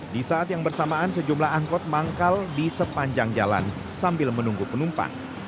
di saat yang bersamaan sejumlah angkot manggal di sepanjang jalan sambil menunggu penumpang